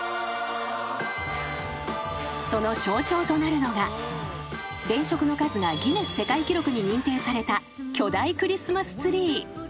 ［その象徴となるのが電飾の数がギネス世界記録に認定された巨大クリスマスツリー］